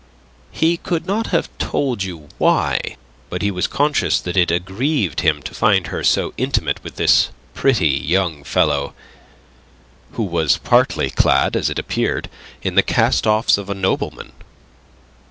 He could not have told you why, but he was conscious that it aggrieved him to find her so intimate with this pretty young fellow, who was partly clad, as it appeared, in the cast offs of a nobleman.